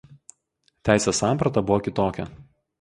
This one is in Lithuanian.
Teisės samprata buvo kitokia.